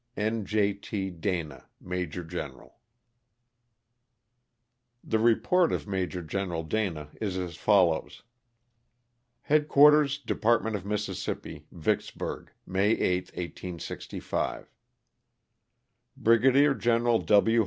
N. J. T. DANA, Major General, The report of Major General Dana is as follows: ♦'Headquarters Department of Mississippi, ViCKSBURG, May 8, 1865. *' Brigadier General W.